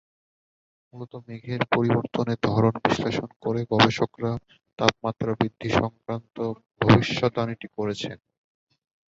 মূলত মেঘের পরিবর্তনের ধরন বিশ্লেষণ করে গবেষকেরা তাপমাত্রা বৃদ্ধিসংক্রান্ত ভবিষ্যদ্বাণীটি করেছেন।